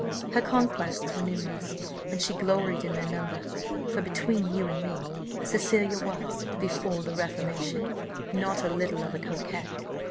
Her conquests were numerous, and she gloried in their number, for, between you and me, Cecilia was, before the reformation, not a little of a coquette.